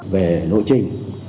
về nội trình